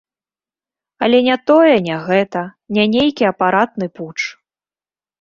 Але не тое, не гэта, не нейкі апаратны путч.